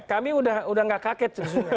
kami sudah tidak kaget